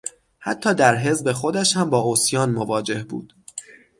حتی در حزب خودش هم با عصیان مواجه بود.